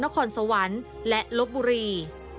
นครสวรรค์และลบบุรี